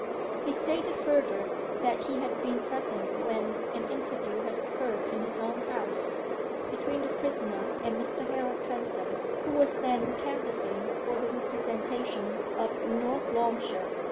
He stated further that he had been present when an interview had occurred in his own house between the prisoner and Mr. Harold Transome, who was then canvassing for the representation of North Loamshire.